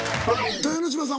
豊ノ島さん